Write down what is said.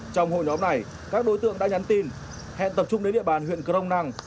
trong hội nhóm này các đối tượng đã nhắn tin hẹn tập trung đến địa bàn huyện crong năng